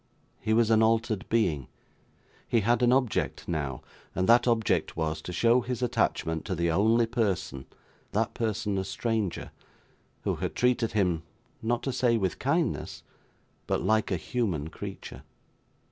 He was an altered being; he had an object now; and that object was, to show his attachment to the only person that person a stranger who had treated him, not to say with kindness, but like a human creature.